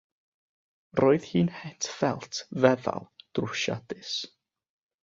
Roedd hi'n het ffelt feddal, drwsiadus.